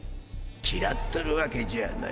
嫌っとるワケじゃない。